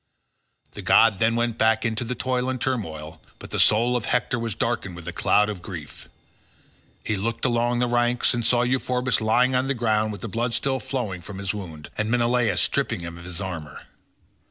The god then went back into the toil and turmoil, but the soul of Hector was darkened with a cloud of grief; he looked along the ranks and saw Euphorbus lying on the ground with the blood still flowing from his wound, and Menelaus stripping him of his armour.